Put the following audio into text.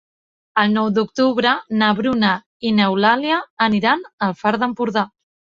El nou d'octubre na Bruna i n'Eulàlia iran al Far d'Empordà.